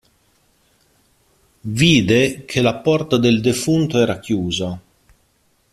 Vide che la porta del defunto era chiusa.